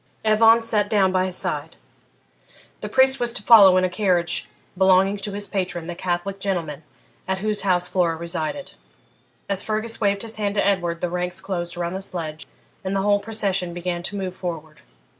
Evan sat down by his side. The priest was to follow in a carriage belonging to his patron, the Catholic gentleman at whose house Flora resided. As Fergus waved his hand to Edward the ranks closed around the sledge, and the whole procession began to move forward.